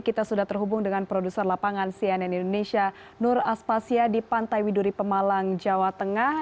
kita sudah terhubung dengan produser lapangan cnn indonesia nur aspasya di pantai widuri pemalang jawa tengah